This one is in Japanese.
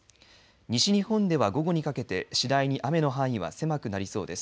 西日本では午後にかけて次第に雨の範囲は狭くなりそうです。